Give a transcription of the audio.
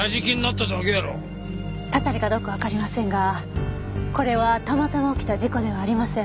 たたりかどうかわかりませんがこれはたまたま起きた事故ではありません。